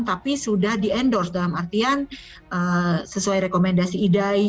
tapi sudah di endorse dalam artian sesuai rekomendasi idai